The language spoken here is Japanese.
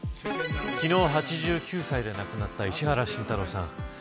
昨日、８９歳で亡くなった石原慎太郎さん。